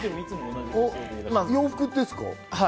洋服ですか？